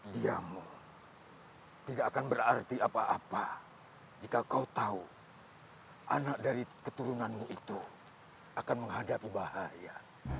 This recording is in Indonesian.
diamu tidak akan berarti apa apa jika kau tahu anak dari keturunanmu itu akan menghadapi bahaya